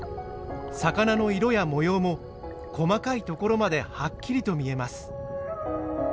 魚の色や模様も細かいところまではっきりと見えます。